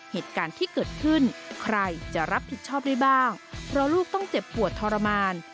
เหตุการณ์ที่เกิดขึ้นใครจะรับผิดชอบได้บ้างเพราะลูกต้องเจ็บปวดทรมาน